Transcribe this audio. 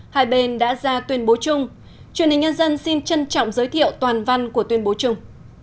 hai bên đã ra tuyên bố chung truyền hình nhân dân xin trân trọng giới thiệu toàn văn của tuyên bố chung